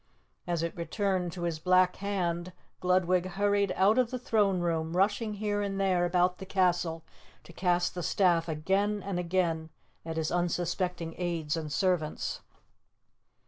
As it returned to his black hand, Gludwig hurried out of the throne room, rushing here and there about the castle to cast the staff again and again at his unsuspecting aids and servants.